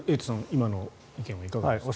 今の意見はいかがですか？